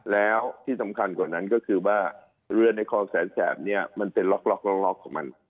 แล้วที่สำคัญกว่านั้นก็คือว่าเรือในคลองแสนแสบเนี่ยมันเป็นล็อกของมัน